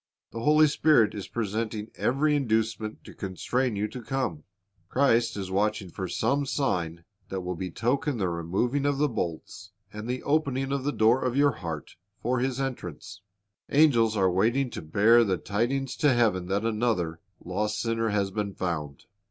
The Holy Spirit is presenting every inducement to constrain you to come. Christ is watching for some sign that will betoken the removing of the bolts and the opening of the door of your heart for His entrance. Angels are waiting to bear the tidings to heaven that another lost sinner has been found.